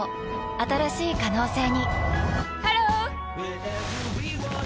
新しい可能性にハロー！